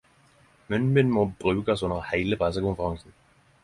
Munnbind må brukast under heile pressekonferansen.